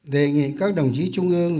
đề nghị các đồng chí trung ương